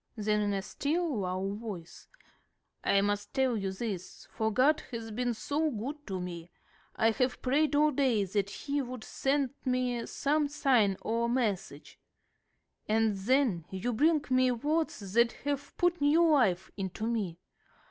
Then in a still lower voice, "I must tell you this, for God has been so good to me. I have prayed all day that He would send me some sign or message. And then you bring me words that have put new life into me.